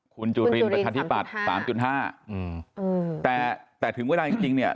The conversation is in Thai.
คุณจุรินประชาธิปัตย์สามจุดห้าอืมแต่แต่ถึงเวลาจริงจริงเนี่ย